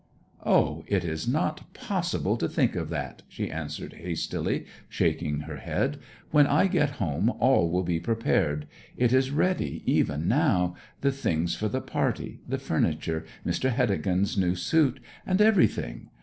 'O, it is not possible to think of that!' she answered hastily, shaking her head. 'When I get home all will be prepared it is ready even now the things for the party, the furniture, Mr. Heddegan's new suit, and everything.